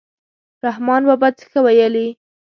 رحمان بابا څه ښه ویلي.